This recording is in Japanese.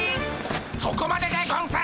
そこまででゴンス！